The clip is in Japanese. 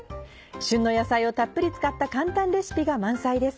旬の野菜をたっぷり使った簡単レシピが満載です。